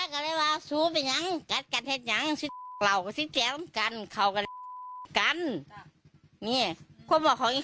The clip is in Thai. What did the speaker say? ก็เลยแบบบอกสันวาเอี้ยก็ทำร้ายขี้โมหาตายแล้ว